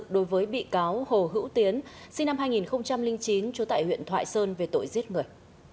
đối với bị cáo hồ hữu tiến sinh năm hai nghìn chín trú tại huyện thoại sơn về tội giết người